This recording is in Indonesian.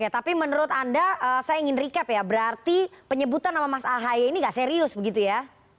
tapi menurut anda saya ingin recap ya berarti penyebutan nama mas ahy ini gak serius begitu ya